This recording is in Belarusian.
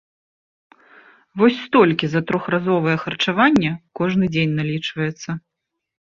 Вось столькі за трохразовае харчаванне кожны дзень налічваецца.